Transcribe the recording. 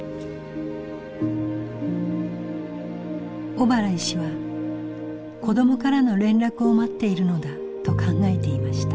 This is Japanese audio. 小原医師は「子どもからの連絡を待っているのだ」と考えていました。